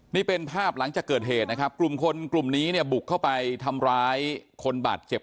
นี่เป็นภาพหลังจากเกิดเหตุนะครับกลุ่มคนกลุ่มนี้เนี่ยบุกเข้าไปทำร้ายคนบาดเจ็บ